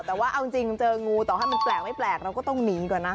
แต่ว่าเอาจริงเจองูต่อให้มันแปลกไม่แปลกเราก็ต้องหนีก่อนนะ